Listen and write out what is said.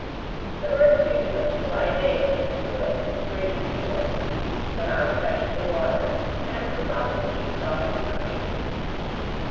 The bird's duty was to fly daily into the wood and bring in fuel; the mouse fetched the water, and the sausage saw to the cooking.